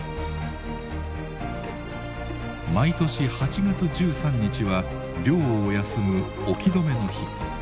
毎年８月１３日は漁を休む「沖止め」の日。